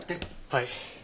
はい。